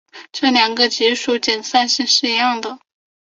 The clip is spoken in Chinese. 这两个级数的敛散性是一样的。